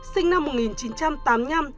sinh năm một nghìn chín trăm tám mươi năm